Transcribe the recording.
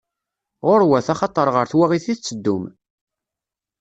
Ɣur-wat, axaṭer ɣer twaɣit i tetteddum!